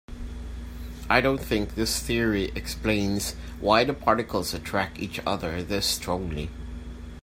I don't think this theory explains why the particles attract each other this strongly.